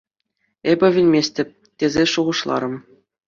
Эпӗ вилместӗп тесе шухӑшларӑм.